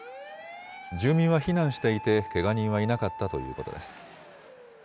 住民は避難していてけが人はいなかったということです。